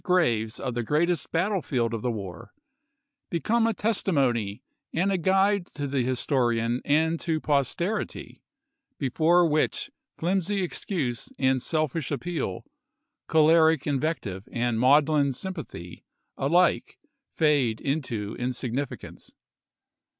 graves of the greatest battlefield of the war, be come a testimony and a guide to the historian and to posterity, before which flimsy excuse and self ish appeal, choleric invective and maudlin sym pathy, ahke fade into insignificance.